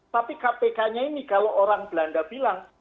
tapi kpk nya ini kalau orang belanda bilang